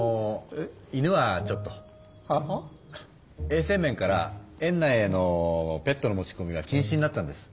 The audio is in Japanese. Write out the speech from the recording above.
衛生面から園内へのペットの持ちこみは禁止になったんです。